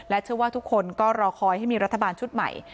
เชื่อว่าทุกคนก็รอคอยให้มีรัฐบาลชุดใหม่